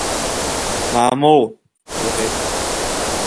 Мамоу, – лҳәеит.